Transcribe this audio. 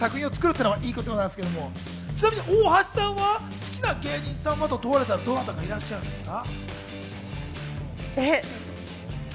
大好きな芸人さんと一緒に作品を作るってのはいいことなんですけど、ちなみに大橋さんは好きな芸人さんは？と問われたら、どなたかいらっしゃるんですか？